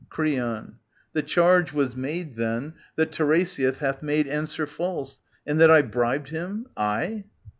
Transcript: Creon. The charge was made, then, that Tiresias hath Made answer false, and that I bribed him, I